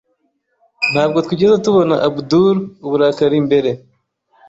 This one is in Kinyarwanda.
Ntabwo twigeze tubona Abdul uburakari mbere.